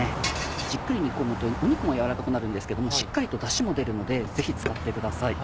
じっくり煮込むと肉も軟らかくなるんですけどしっかりとダシも出るのでぜひ使ってください。